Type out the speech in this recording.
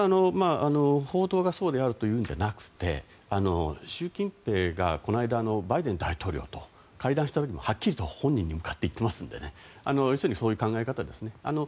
報道がそうであるというのではなくて習近平がこの間バイデン大統領と会談した時もはっきりと本人に向かって言っていますので要するにそういう考え方ですね。